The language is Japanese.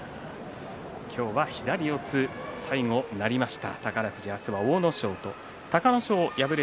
今日は左四つに最後なりました。